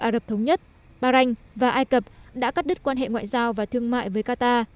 ả rập thống nhất bahrain và ai cập đã cắt đứt quan hệ ngoại giao và thương mại với qatar